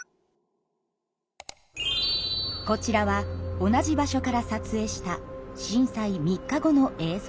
こちらは同じ場所から撮影した震災３日後の映像です。